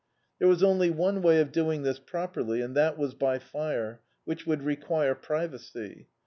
There was only one way of doing this properly, and that was l^ fire, which would require privacy.